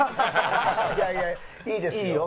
いやいやいいですよ。